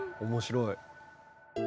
面白い。